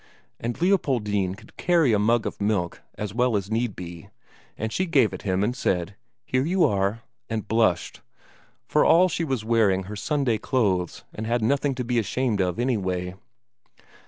And Leopoldine could carry a mug of milk as well as need be, and she gave it him and said, "Here you are," and blushed, for all she was wearing her Sunday clothes and had nothing to be ashamed of, anyway.